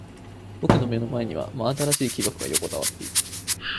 僕の目の前には真新しい木箱が横たわっている。